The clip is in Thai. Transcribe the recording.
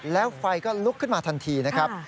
แล้วไฟก็ลุกขึ้นมาทันทีนะครับ